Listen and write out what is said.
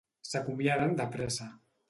S'acomiaden de pressa.